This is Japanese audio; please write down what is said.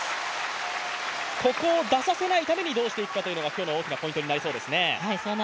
ここを出させないために、どうしていくかということが今日の大きなポイントになりそうですね。